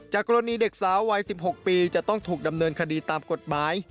กรณีเด็กสาววัย๑๖ปีจะต้องถูกดำเนินคดีตามกฎหมาย